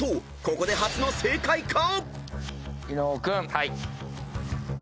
［ここで初の正解か⁉］